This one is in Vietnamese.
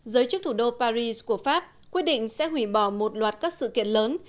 giới chức thủ đô paris của pháp quyết định sẽ hủy bỏ một loạt các sự kiện lớn